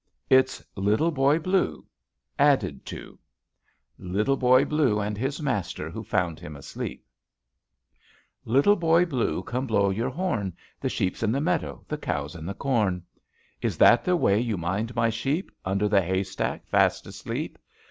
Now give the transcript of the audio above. It's 'Little Boy Blue' — added to ; Little Boy Blue and his master who found him asleep : "Little Boy Blue, come blow your hornl The sheep's in the meadow, the cow's in the corn I Is that the way you mind my sheep^ Under the haystack, fast asleep?